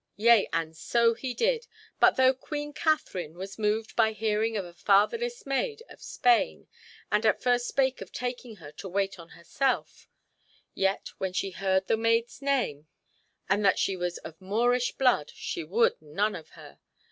Yea, and so he did, but though Queen Katharine was moved by hearing of a fatherless maid of Spain, and at first spake of taking her to wait on herself, yet when she heard the maid's name, and that she was of Moorish blood, she would none of her.